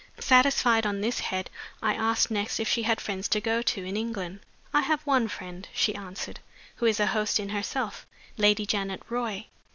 Satisfied on this head, I asked next if she had friends to go to in England. "I have one friend," she answered, "who is a host in herself Lady Janet Roy."